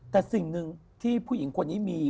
แต่สิ่งหนึ่งที่ผู้หญิงคนนี้มี